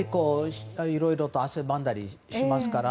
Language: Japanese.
いろいろと汗ばんだりしますから。